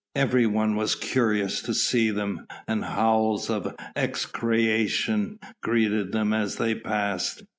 Everyone was curious to see them, and howls of execration greeted them as they passed.